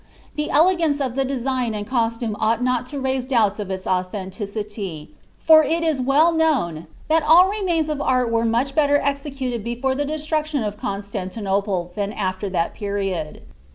The elegance of the design and cos tuow ou^it not to raise doubts of its authenticity, for it is well known that all remains of art were much belter eiecuted before the destruction of Conslanlinople than alier that jteriod.